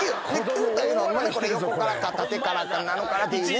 九というのはこれ横からか縦からなんのかなっていうね